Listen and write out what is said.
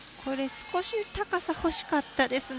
少し高さ欲しかったですね。